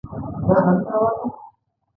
کوتره له خپل چاپېریال سره بلد ده.